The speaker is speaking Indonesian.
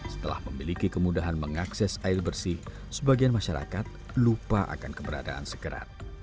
setelah memiliki kemudahan mengakses air bersih sebagian masyarakat lupa akan keberadaan sekerat